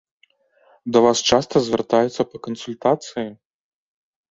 Да вас часта звяртаюцца па кансультацыі?